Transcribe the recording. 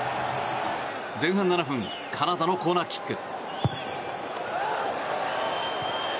前半７分カナダのコーナーキック。